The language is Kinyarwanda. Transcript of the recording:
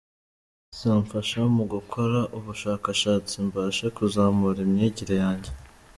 Izamfasha mu gukora ubushakashatsi mbashe kuzamura imyigire yanjye.